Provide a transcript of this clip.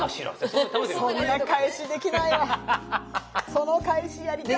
その返しやりたい。